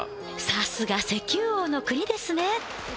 さすが石油王の国ですね